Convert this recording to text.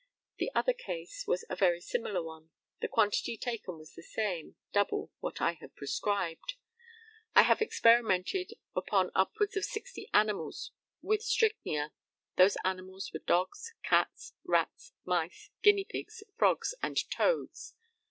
The other case was a very similar one. The quantity taken was the same double what I had prescribed. I have experimented upon upwards of sixty animals with strychnia. Those animals were dogs, cats, rats, mice, guinea pigs, frogs, and toads.